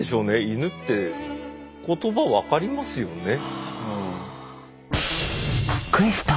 イヌって言葉分かりますよね。